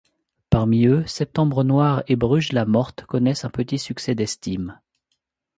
Parmi eux, Septembre Noir et Bruges-la-Morte connaissent un petit succès d’estime.